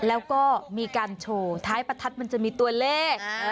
แล้วก็มีการโชว์ท้ายประทัดมันจะมีตัวเลข